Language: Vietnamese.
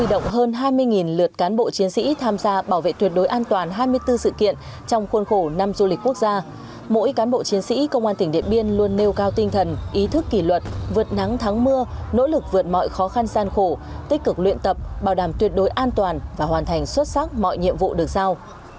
công an tỉnh điện biên đã tham gia bảo vệ tuyệt đối an toàn hai mươi bốn sự kiện trong khuôn khổ năm du lịch quốc gia mỗi cán bộ chiến sĩ công an tỉnh điện biên luôn nêu cao tinh thần ý thức kỷ luật vượt nắng thắng mưa nỗ lực vượt mọi khó khăn gian khổ tích cực luyện tập bảo đảm tuyệt đối an toàn và hoàn thành xuất sắc mọi nhiệm vụ được giao